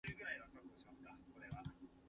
上天無路，入地無門